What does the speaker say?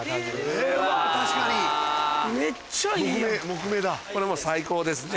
木目だこれもう最高ですね。